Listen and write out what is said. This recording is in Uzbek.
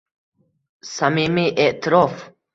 Samimiy e’tirof